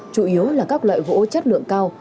chủ yếu là các loại gỗ chất lượng cao